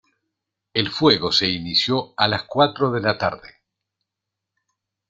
El fuego se inició a las cuatro de la tarde.